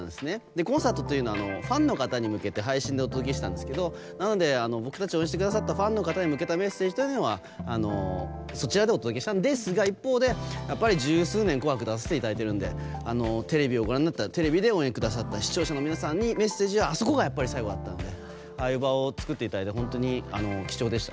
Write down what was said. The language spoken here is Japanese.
コンサートというのはファンの方に向けて配信でお届けしてたんですけどなので僕たちを応援してくださったファンの方へ向けたメッセージはそちらでお届けしたんですが一方で十数年、「紅白」に出させていただいたのでテレビをご覧になったテレビで応援してくださった視聴者の皆さんにメッセージはあそこが最後だったのでああいう場を作っていただいて本当に貴重でした。